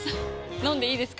飲んでいいですか？